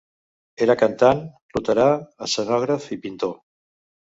Era cantant, luterà, escenògraf i pintor.